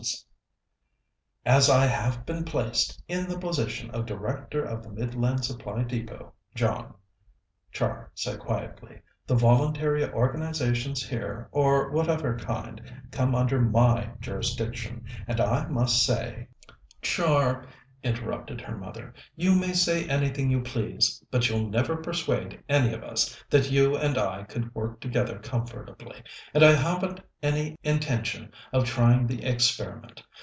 "As I am as I have been placed in the position of Director of the Midland Supply Depôt, John," Char said quietly, "the voluntary organizations here, of whatever kind, come under my jurisdiction, and I must say " "Char," interrupted her mother, "you may say anything you please, but you'll never persuade any of us that you and I could work together comfortably, and I haven't any intention of trying the experiment.